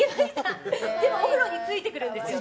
でもお風呂についてくるんですよね。